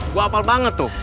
gue hafal banget tuh